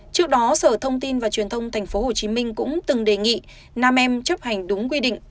trước đó sở thông tin và truyền thông tp hcm cũng từng đề nghị nam em chấp hành đúng quy định